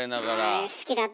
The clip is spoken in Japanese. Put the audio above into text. あれ好きだった。